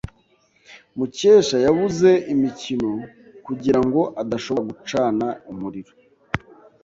Mukesha yabuze imikino kugirango adashobora gucana umuriro.